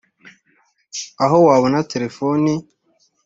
Aho wabona telefoni